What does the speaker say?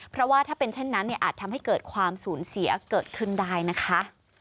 เพราะว่าถ้าเป็นเช่นนั้นเนี่ยอาจทำให้เกิดความสูญเสียเกิดขึ้นได้นะคะ